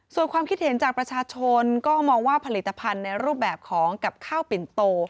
ส่วนความคิดเห็นจากประชาชนก็มองว่าผลิตภัณฑ์ในรูปแบบของกับข้าวปิ่นโต